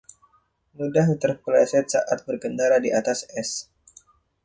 Mudah terpeleset saat berkendara di atas es.